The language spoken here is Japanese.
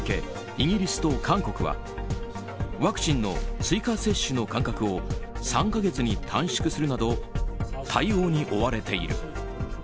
イギリスと韓国はワクチンの追加接種の間隔を３か月に短縮するなど対応に追われている。